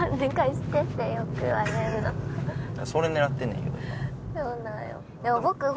それ狙ってんねんけどな。